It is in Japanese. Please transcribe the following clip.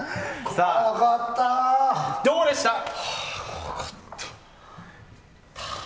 怖かった。